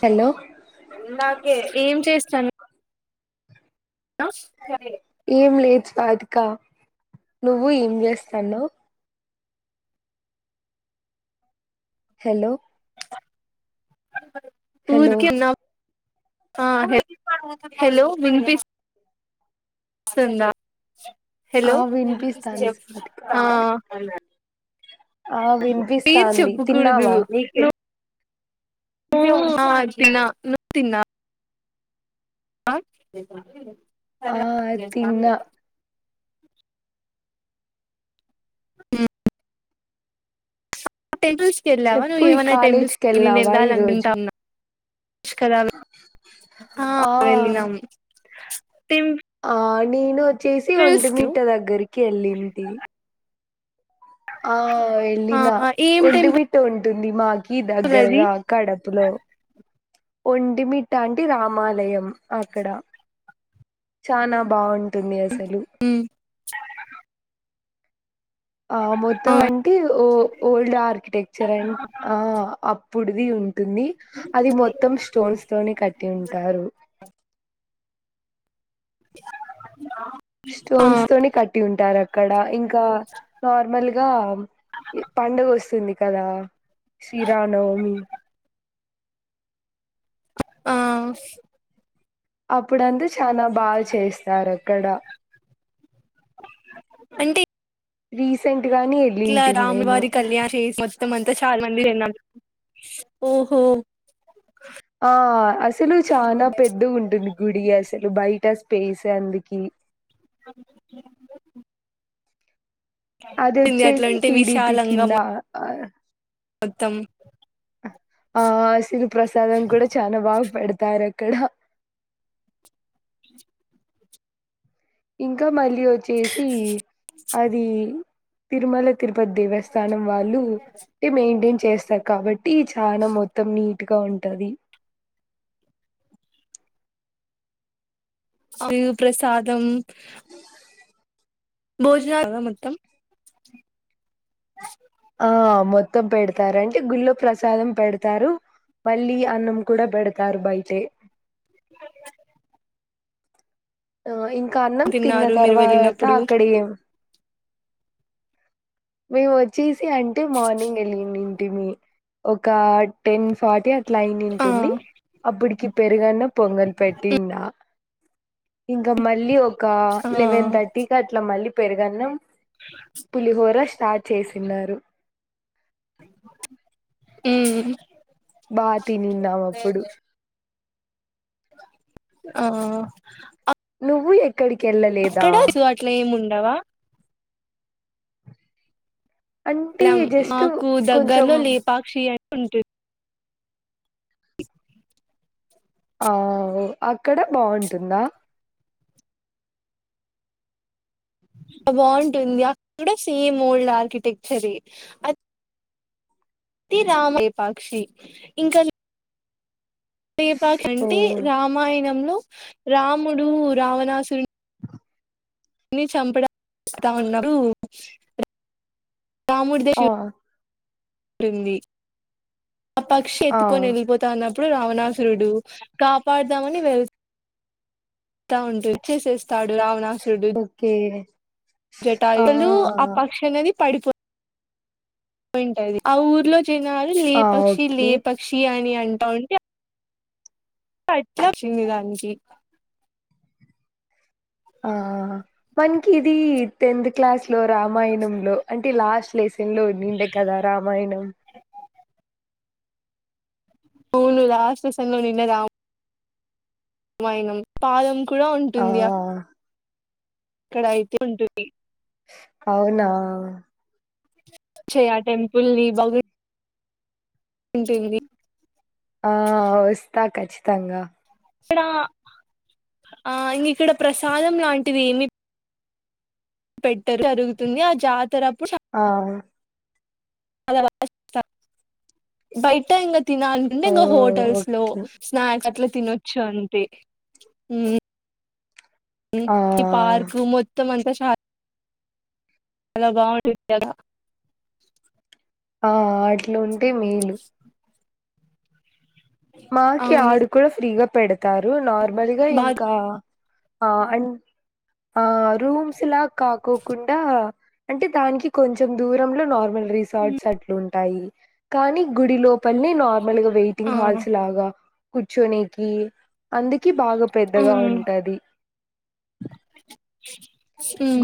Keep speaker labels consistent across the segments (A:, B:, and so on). A: Hello
B: నాకే ఏం చేస్ చన్ ఆ
A: రాధికా నువ్వు ఏం చేస్తాన్నవ్ హలో
B: అ
A: హలో
B: ఊర్కే ఉన్నాం ఆ హలో హలో విన్పిస్ స్తుంద
A: ఆ
B: హలో
A: వినిపిస్తాంది స్వాతిక
B: ఆ
A: ఆ
B: పేరు
A: వినిపిస్తాంది
B: చెప్పుకూడదు
A: తిన్నావా
B: [unintelligible] ఆ
A: ఆ తిన్న
B: హ్మ్ టెంపుల్స్ కి వెళ్ళావా నువ్వు
A: చెప్పు ఈ
B: ఏమైనా టెంపుల్స్
A: కాలేజీకి
B: నేను
A: వెళ్ళావా
B: వెళ్ళాలి
A: ఈరోజు
B: అనుకుంటావున్నా కద
A: ఆ
B: వెళ్ళినాం
A: ఆ నేను చేసి
B: టెంపుల్స్
A: ఒంటి
B: కి
A: మిట్ట దగ్గరికి వెళ్ళింటి ఆ
B: ఆ
A: వెళ్ళినా
B: ఏం టెంపుల్
A: ఒంటిమిట్ట ఉం తుంది మా కి
B: అది
A: దగ్గరగా కడపులో ఒంటిమిట్ట అంటి రామాలయం అక్కడ చానా బావుం [unintelligible] అసలు ఆ
B: ఆ
A: మొత్తం అంటే ఓ ఓల్డ్ ఆర్కిటెక్చర్ అం ఆ అప్పుడు [unintelligible] ఉంటుంది అది మొత్తం స్టోన్స్ తోనే కట్టి ఉంటారు
B: ఆ
A: స్టోన్స్ తోని కట్టి ఉంటారు అక్కడ ఇంకా నార్మల్గా పండగ వస్తుంది కదా శ్రీరామనవమి
B: ఆ
A: అప్పుడు అందు చాలా బా చేస్ సరక్కడ
B: అంటే
A: రీసెంట్ గానే
B: ఇట్లా
A: వెళ్ళింటిం మేము
B: రాములవారి కళ్యాణ చేసి ఇంక చాల మంది తినాలి
A: ఆ అసలు చాల పెద్ద గా ఉంటుంది గుడి అసలు బయ టీ స్పేస్ అందుకీ
B: అ
A: అదొచ్చేసి
B: ఉంటే
A: టి డి పి
B: విశాలంగా
A: కింద ఆ
B: మొత్తం
A: ఆ సిరు ప్ర్రసాదం కూడాడా చనా బా పెడతారు క్కడ ఇంకా మరి వడి వచ్చేసి అది తిరుమల తిరుపతి దేవస్థానం వాళ్ళు మెయింటైన్ చేస్త స కాబట్టి చా మొత్తం నీ ఇట్గా ఉంటది
B: జరు ప్ర్రసాదం భోజన మొత్తం
A: ఆ మొత్తం పెడతారు అంటే గుళ్ళ ప్రసాదం పెడతారు మళ్ళీ అన్నం కూడా పెడతారు బయట ఆ ఇ కన్నం తిన్న
B: తిన్నారు మీరు
A: తర్వాత
B: వెళ్ళినప్పుడు
A: అక్కడ మీ వచ్చి అంటే మార్నింగ్ వెళ్ళి ఒక టెన్ ఫార్టీ క్లైన్
B: ఆ
A: ఉంటుంది అప్పటికి పెరుగన్న పొంగల్ పెట్ందా ఇంకా మళ్ళీ ఇ
B: ఆ
A: లెవెన్ థర్టీ క అట్లా మళ్ళీ పెరుగాన్న పులి హోరస్ చేసన్నారు
B: ఉ
A: బాగా తినిన్నాం అప్పుడు
B: ఆ
A: నువ్వు ఎ
B: అక్కడ [inaudible] అట్లేమున్ డవా
A: అంటే
B: లం
A: జస్ట్
B: మాకు
A: కొంచెం
B: దగ్గర్లో లేపాక్షి అ ఉంటు
A: ఔ అక్కడ బావుంటుందా
B: బావుంటుంది అక్కడ సేమ్ ఓల్డ్ ఆర్కిటెక్చరే అ ది రామ్ ఇంకా లేపాక్ష
A: ఓ
B: అంటే రామాయణంలో రాముడూ రావణాసురుణ్ ణి చంపడా [inaudible] వస్తా ఉన్నప్పుడూ రాముడి ద శి
A: ఆ
B: క్రింది ఆ పక్షి
A: ఆ
B: ఎత్తుకొని ఎలీపోతాంది అప్ అప్పుడు రావణాసురుడు కాపాడుదామని వెళ్ తా ఉంట్ వచేసేసి స్తాడు రావణాసురుడు.
A: ఓకే
B: పులూ ఆ పక్షి అనేది పడిపో యి ఉంటది ఆ ఊర్లో చినారి లే
A: ఆ!
B: పక్షి లే
A: ఓకే
B: పక్షి అన్ అని అంటావుంటే అట్ల వచ్చింది దానికి అ
A: ఆ మనకి ఇదీ టెన్త్ క్లాస్ లో రామాయణంలో అం టే లాస్ట్ లెస్
B: అవును లాస్ట్ లెసన్ లో నిన్నదా వైనం పాదం కూడా
A: ఆ
B: ఉంటుందియా అక్కడ అయితే ఉంటుంది.
A: అవునా
B: చ్చే ఆ టెంపల్ని బ ఉంటుంది
A: ఆ వస్తా ఖచ్చితంగా.
B: ఇక్కడా, ఆ ఇంగ ఇక్కడ ప్రసాదం లాంటిది ఏమి పెట్టరు [inaudible] జరుగుతుంది ఆ జాతరప్పుడు.
A: ఆ
B: అ [inaudible] [inaudible] బయట ఇంగ తినాలంటే
A: ఓ
B: ఇంగ హోటల్స్ లో
A: ఓకే
B: స్నాక్స్ అట్ల తినొచ్చు అంటే ఉమ్
A: ఆ
B: [inaudible] పార్క్ మొత్తం అంత చార్ చాలా బాగుంటుంది కదా
A: ఆ అట్లుంటే మేలు మాకి
B: అవును
A: ఆడు కూడా ఫ్రీగా పెడు తారూ. నార్మలి గా
B: బా
A: ఇంకా ఆ అం ఆ రూమ్స్ లా కాకోకుండా అంటే దానికి కొంచెం దూరంలో నార్మల్ రిసార్ట్స్ అట్లుంటాయి కానీ గుడిలోపు వెళ్లి నార్మల్గా వ
B: ఆ
A: వెయిటింగ్ హల్ గా కుచ్చోనికి అందుకే బాగా పెద్దగా
B: ఉమ్
A: ఉంటది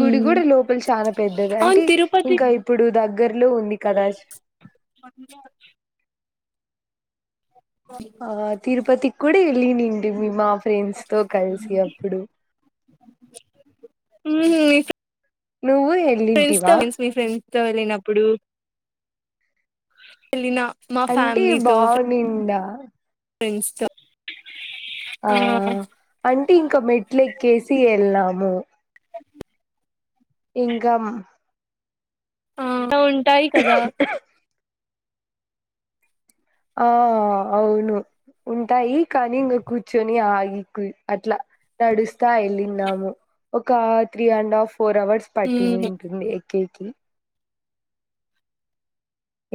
A: గుడి కూడా లోపల చాలా పెద్దది
B: అవును
A: అంటే
B: తిరుపతి
A: ఇంకా ఇప్పుడు దగ్గ దగ్గర్లో ఉంది కదాజ
B: [inaudible]
A: ఆ తిరుపతికి కూడ ఎల్లి ని [unintelligible] ఫ్రెండ్స్ తో కలిసి అప్పుడు
B: హ్మ్
A: నువ్వు ఎల్లింటివా
B: మీ ఫ్రెండ్స్ తో వెళ్లినప్పుడు ఎల్లిన
A: అంటే బావునిండా ఆ
B: ఫ్రెండ్స్ తో
A: ఆ అన్ టి ఇంక మెట్లెక్కేసి ఏళ్ళము ఇంగం
B: హ టాయి కదా
A: ఆ అవును ఉంటాయి కానీ ఇంగా కూర్చొని అయి అట్ల నడుస్తా ఎల్లిన్నాము ఒక three and half four hours
B: ఉమ్
A: పట్టినిన్టుంది తిథి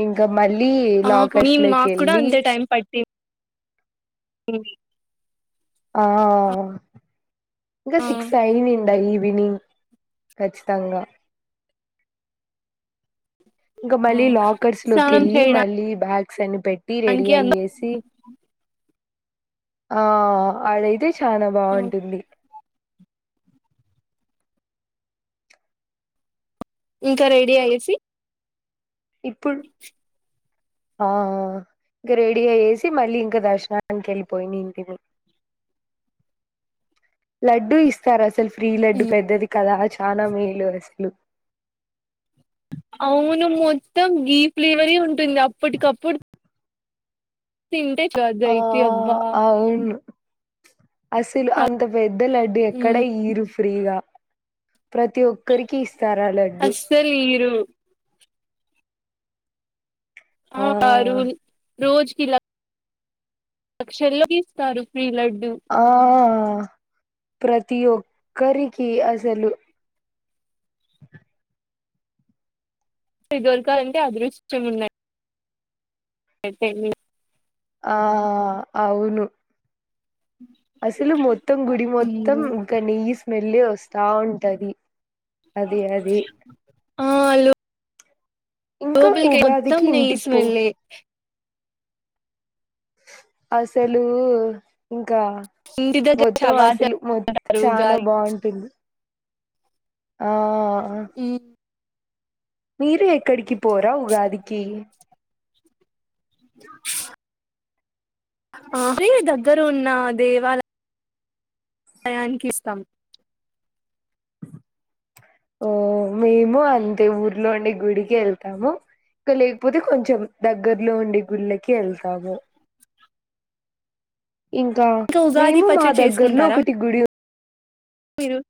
A: ఇంకా మళ్ళీ
B: ఆ
A: లాకర్స్
B: మేం
A: లోకి
B: మాకు కూడా
A: వెళ్ళి
B: అంతే టైం పట్టిం ది
A: ఆ ఇంకా
B: ఆ
A: సిక్స్ అయినింది అయి విని ఖచ్చితంగా ఇంకా
B: ఆ
A: మళ్ళీ లాకర్స్ లోకి
B: స్నానం
A: వెళ్ళి మళ్ళీ బ్యాగ్ సేన్ పెట్టి రెడీ
B: చేయడానికి అంద
A: అయ్యేసి ఆ ఆడైతే చానా
B: ఆ,
A: బాగుంటుంది
B: ఇంకా రెడీ అయ్యేసి
A: ఇప్పుడు ఆ ఇంకా రెడీ అయ్యేసి మళ్ళీ ఇంకా దర్శనానికి వెళ్ళిపోయింటిమి లడ్డూ ఇస్తారు అసలు ప్రీ లడ్డు
B: ఉమ్
A: పెద్దది కదా చాలా మేలు అసలు
B: అవును మొత్తం గీ ఫ్లేవరీ ఉన్ ఉంటుంది అప్పటికప్పుడు తిన్
A: ఆ అవును అసలు అంత పెద్ద లడ్డు ఎక్కడ
B: మ్మ్
A: ఏయూరు ఫ్రీగా ప్రతి ఒక్కరికి ఇస్
B: అస్సలు ఈయూరు ఆ రూహి రోజుకిిలా లక్షలలో తీస్తస్తారు ఫ్రీ లడ్
A: ఆ ప్రతి ఒక్కరికి అసలు
B: ఆది దొరకాలంటే అదృష్ట్యం ఉన్నాడ్ [unintelligible]
A: ఆ అవును అసలు మొత్తం గుడి మొత్తం
B: ఉమ్.
A: ఇంకా నెయ్యి స్మెలే వస్తా ఉంటది అది అది
B: ఆ అలు
A: ఇంకా
B: లోపోలికి మొత్తం
A: ఉగాదికి
B: నేయి
A: ఇంటికి పో
B: స్మెల్లె
A: అసలు ఇన్ కా
B: ఇంటి దగ్గర
A: మొత్తం అసలు
B: శవాజారు
A: మొం చాలా
B: ఉగాది
A: బాగుంటుంది ఆ
B: మ్మ్
A: మీరే ఎక్కడికి పోరా ఉగాదికి
B: [inaudible] ఆ అయ దగ్గర ఉన్న దేవాలయం నయాన్ కి ఇస్తాం
A: ఓ మేము అంతే ఊర్లో ఉండే గుడికి వెళ్తాము ఇంకా లేకపోతే కొంచెం దగ్గర్లో ఉండే గుళ్ళకి వెళ్తాము ఇంకా
B: ఉగాది
A: మేము మా
B: పచ్చడి
A: దగ్గర్లో
B: చేసుకుంటారా
A: ఒకటి గుడి ఉన్
B: మీరు